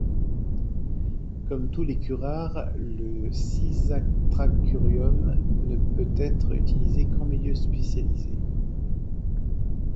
Comme tous les curares, le cisatracurium ne peut être utilisé qu'en milieu spécialisé.